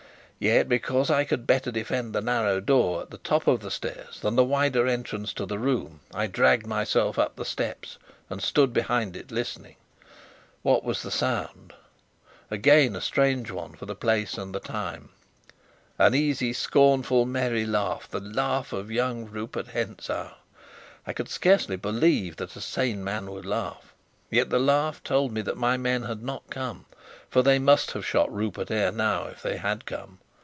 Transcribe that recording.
Yet, because I could better defend the narrow door at the top of the stairs than the wider entrance to the room, I dragged myself up the steps, and stood behind it listening. What was the sound? Again a strange one for the place and time. An easy, scornful, merry laugh the laugh of young Rupert Hentzau! I could scarcely believe that a sane man would laugh. Yet the laugh told me that my men had not come; for they must have shot Rupert ere now, if they had come.